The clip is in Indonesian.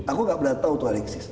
aku nggak berat tahu itu alexis